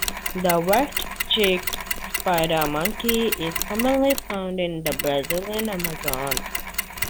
The white-cheeked spider monkey is commonly found in the Brazilian Amazon.